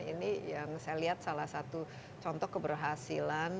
ini yang saya lihat salah satu contoh keberhasilan